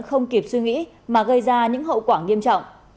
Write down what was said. không kịp suy nghĩ mà gây ra những hậu quả nghiêm trọng